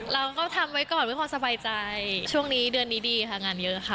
เราก็ทำไว้ก่อนไม่พอสบายใจช่วงนี้เดือนนี้ดีค่ะงานเยอะค่ะ